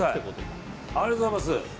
ありがとうございます。